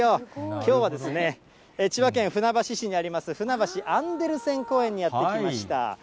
きょうは千葉県船橋市にあります、ふなばしアンデルセン公園にやって来ました。